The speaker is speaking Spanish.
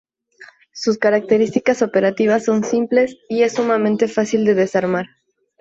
Sus características operativas son simples y es sumamente fácil de desarmar.